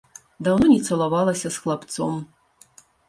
Даўно не цалавалася з хлапцом.